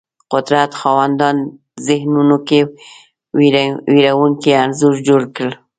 قدرت خاوندانو ذهنونو کې وېرونکی انځور جوړ کړ